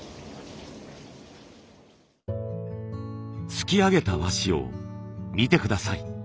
すき上げた和紙を見て下さい。